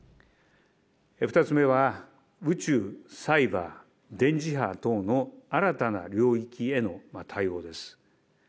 ２つ目は、宇宙、サイバー、電磁波等の新たな領域への対応です。